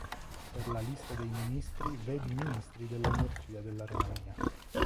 Per la lista dei ministri vedi Ministri dell'energia della Romania.